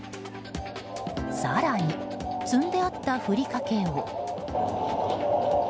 更に積んであったふりかけを。